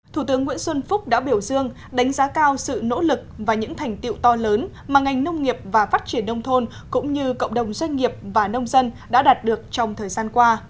thủ tướng nguyễn xuân phúc đã biểu dương đánh giá cao sự nỗ lực và những thành tiệu to lớn mà ngành nông nghiệp và phát triển nông thôn cũng như cộng đồng doanh nghiệp và nông dân đã đạt được trong thời gian qua